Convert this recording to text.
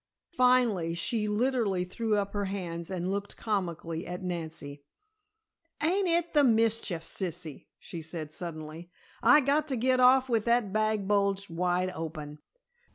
Finally, she literally threw up her hands and looked comically at Nancy. "Ain't it the mischief, sissy?" she said suddenly. "I got to get off with that bag bulged wide open."